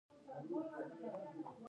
د خوست په قلندر کې د ګچ نښې شته.